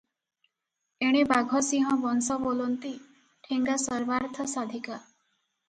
ଏଣେ ବାଘସିଂହ ବଂଶ ବୋଲନ୍ତି, "ଠେଙ୍ଗା ସର୍ବାର୍ଥସାଧିକା"।